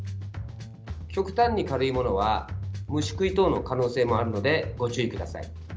極端に軽いものは虫食い等の可能性もあるのでご注意ください。